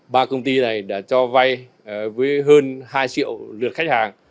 ba công ty này đã cho vay với hơn hai triệu lượt khách hàng